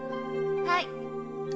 はい。